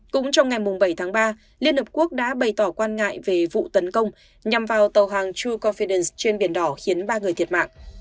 cũng trong ngày bảy tháng ba liên hợp quốc đã bày tỏ quan ngại về vụ tấn công nhằm vào tàu hàng troe confidence trên biển đỏ khiến ba người thiệt mạng